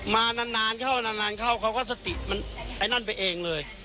มานานเข้านานเข้าเขาก็สติมันไอ้นั่นไปเองเลย